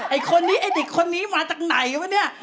ไอ้คนนี้ไอ้เด็กคนนี้มาจากไหนวะเนี่ย